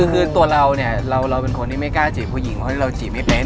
คือตัวเราเนี่ยเราเป็นคนที่ไม่กล้าจีบผู้หญิงเพราะเราจีบไม่เป็น